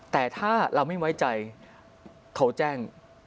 แต่ถ้าเราไม่ไว้ใจโทรแจ้ง